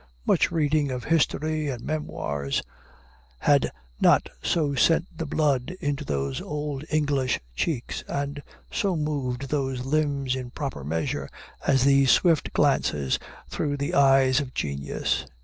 Much reading of history and memoirs had not so sent the blood into those old English cheeks, and so moved those limbs in proper measure, as these swift glances through the eyes of genius.